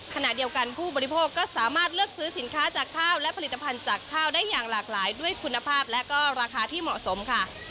ขณะเดียวกันผู้บริโภคก็สามารถเลือกซื้อสินค้าจากข้าวและผลิตภัณฑ์จากข้าวได้อย่างหลากหลายด้วยคุณภาพและก็ราคาที่เหมาะสมค่ะ